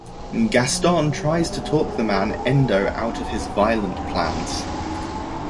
Gaston tries to talk the man, Endo, out of his violent plans.